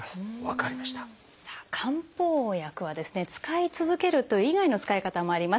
さあ漢方薬は使い続けるという以外の使い方もあります。